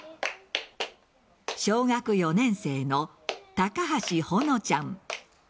小学４年生の高橋穂乃ちゃん。